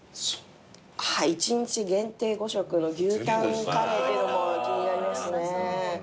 １日限定５食の牛タンカレーってのも気になりますね。